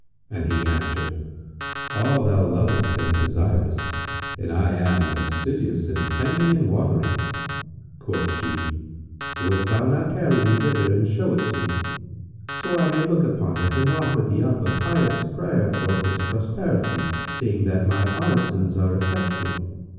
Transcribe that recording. and he answered, "All thou lovest and desirest, and I am assiduous in tending and watering it." Quoth she, "Wilt thou not carry me thither and show it to me, so I may look upon it and offer thee up a pious prayer for its prosperity, seeing that my orisons are effectual?"